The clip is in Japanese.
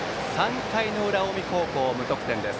３回の裏、近江高校は無得点です。